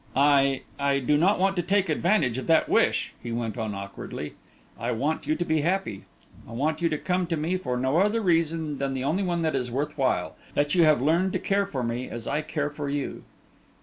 "I I do not want to take advantage of that wish," he went on awkwardly. "I want you to be happy. I want you to come to me for no other reason than the only one that is worth while; that you have learned to care for me as I care for you."